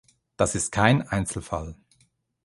Das ist kein Einzelfall.